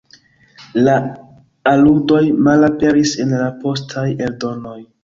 La aludoj malaperis en la postaj eldonoj.